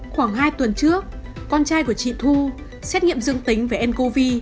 khoảng hai tuần trước con trai của chị thu xét nghiệm dương tính với ncov